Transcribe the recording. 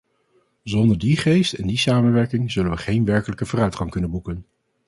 Zonder die geest en die samenwerking zullen we geen werkelijke vooruitgang kunnen boeken.